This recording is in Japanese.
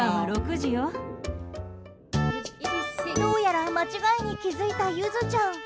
どうやら間違いに気づいたゆずちゃん。